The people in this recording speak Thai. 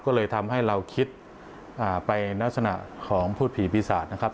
ก็เลยทำให้เราคิดไปลักษณะของพูดผีปีศาจนะครับ